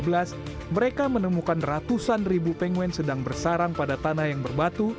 mereka menemukan ratusan ribu penguin sedang bersarang pada tanah yang berbatu